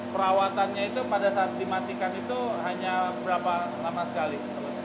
perawatannya itu pada saat dimatikan itu hanya berapa lama sekali